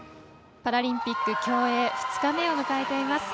パラリンピック競泳２日目を迎えています。